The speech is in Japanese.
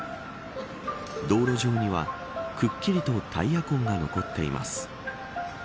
道路上には、くっきりとタイヤ痕が残っています。